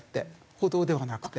歩道ではなくて。